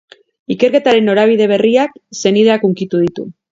Ikerketaren norabide berriak senideak hunkitu ditu.